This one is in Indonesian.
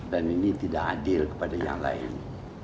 dan ini tidak adil kepada yang lain